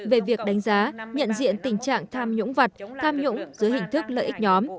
về việc đánh giá nhận diện tình trạng tham nhũng vật tham nhũng dưới hình thức lợi ích nhóm